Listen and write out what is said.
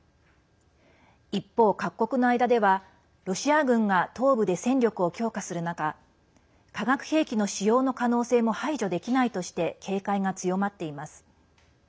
一方、各国の間ではロシア軍が東部で戦力を強化する中化学兵器の使用の可能性も排除できないとして警戒が強まっています。